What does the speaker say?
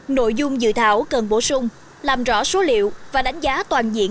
nội dung dự thảo cần bổ sung làm rõ số liệu và đánh giá toàn diện